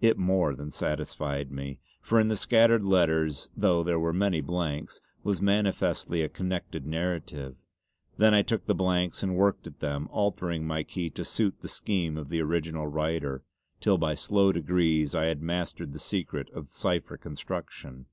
It more than satisfied me, for in the scattered letters though there were many blanks, was manifestly a connected narrative. Then I took the blanks and worked at them altering my key to suit the scheme of the original writer, till by slow degrees I had mastered the secret of the cipher construction.